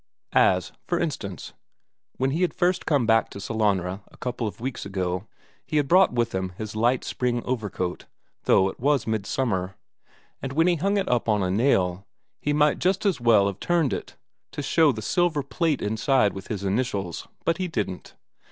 As, for instance, when he had first come back to Sellanraa a couple of weeks ago, he had brought with him his light spring overcoat, though it was midsummer; and when he hung it up on a nail, he might just as well have turned it so as to show the silver plate inside with his initials, but he didn't.